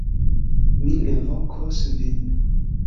Mi revokos vin.